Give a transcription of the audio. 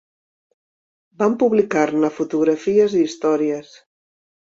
Van publicar-ne fotografies i històries.